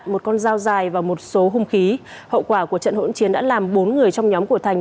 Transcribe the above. một con dao dài và một số hung khí hậu quả của trận hỗn chiến đã làm bốn người trong nhóm của thành